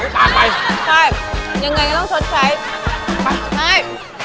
ตามไปยังไงก็ต้องชดใช้ไปไป